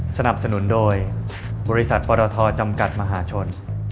สนับสนุนโดยบริษัทปรทจำกัดมหาชน